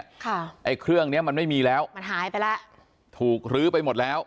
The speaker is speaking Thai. ไอ้เครื่องเนี้ยมันไม่มีแล้วมันหายไปแล้วถูกลื้อไปหมดแล้ว